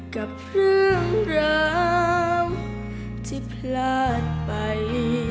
กับเรื่องราวที่พลาดไป